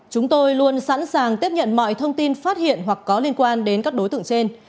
chúng tôi luôn sẵn sàng tiếp nhận mọi thông tin phát hiện hoặc có liên quan đến các đối tượng trên